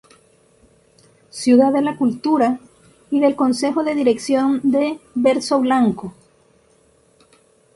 Ciudad de la cultura" y del consejo de dirección de "Verso Blanco.